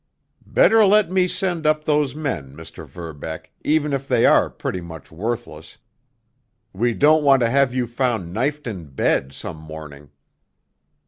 "Better let me send up those men, Mr. Verbeck, even if they are pretty much worthless. We don't want to have you found knifed in bed some morning."